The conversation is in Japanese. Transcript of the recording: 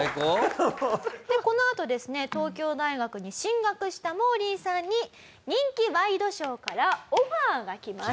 でこのあとですね東京大学に進学したモーリーさんに人気ワイドショーからオファーがきます。